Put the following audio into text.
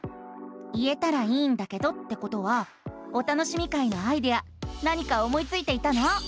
「言えたらいいんだけど」ってことは「お楽しみ会」のアイデア何か思いついていたの？